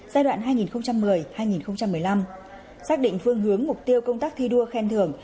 giai đoạn hai nghìn một mươi hai nghìn một mươi năm xác định phương hướng mục tiêu công tác thi đua khen thưởng